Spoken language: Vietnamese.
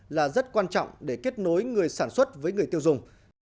là rất quan trọng để kết nối người sản xuất với người tiêu dùng